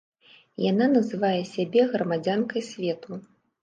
Яна называе сябе грамадзянкай свету.